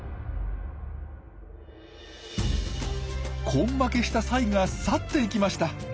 根負けしたサイが去っていきました。